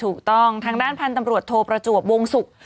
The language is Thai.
ถูกต้องทางด้านพันธุ์ตำรวจโทประจวบวงศุกร์